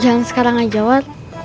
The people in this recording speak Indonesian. jangan sekarang aja wad